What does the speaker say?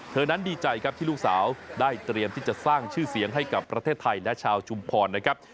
เธอนั้นดีใจครับที่ลูกสาวได้เตรียมที่จะสร้างชื่อเสียงให้กับประเทศไทยและชาวชุมพรนะครับ